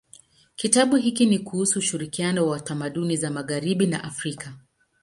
Kitabu hiki ni kuhusu ushirikiano wa tamaduni za magharibi na Afrika.